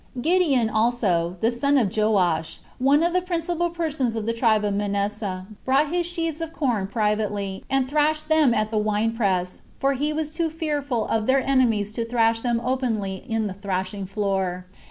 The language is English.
2. Gideon also, the son of Joash, one of the principal persons of the tribe of Manasseh, brought his sheaves of corn privately, and thrashed them at the wine press; for he was too fearful of their enemies to thrash them openly in the thrashing floor.